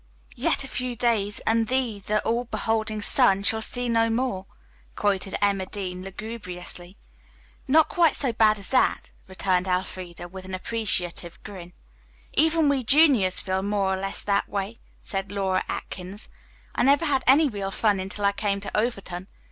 "'Yet a few days, and thee the all beholding sun shall see no more.'" quoted Emma Dean lugubriously. "Not quite so bad as that," returned Elfreda with an appreciative grin. "Even we juniors feel more or less that way," said Laura Atkins. "I never had any real fun until I came to Overton.